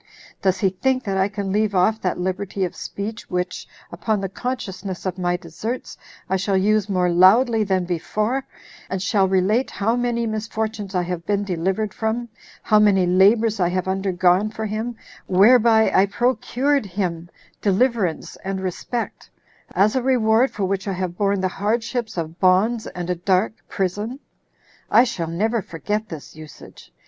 Does he think that I can leave off that liberty of speech, which, upon the consciousness of my deserts, I shall use more loudly than before, and shall relate how many misfortunes I have been delivered from; how many labors I have undergone for him, whereby I procured him deliverance and respect; as a reward for which I have borne the hardships of bonds and a dark prison? I shall never forget this usage.